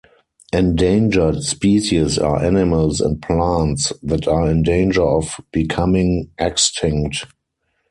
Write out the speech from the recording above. Endangered species are animals and plants that are in danger of becoming extinct.